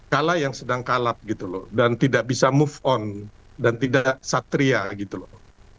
kala yang sedang kalap gitu loh dan tidak bisa move on dan tidak satria gitu loh